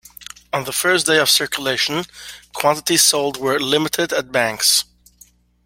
On the first day of circulation, quantities sold were limited at banks.